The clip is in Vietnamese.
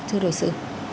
thưa đối xử